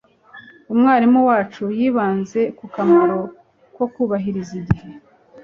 umwarimu wacu yibanze ku kamaro ko kubahiriza igihe